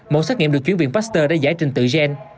một xét nghiệm được chuyến viện pasteur đã giải trình tự gen